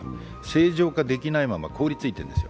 正常化できないまま凍りついてるわけです。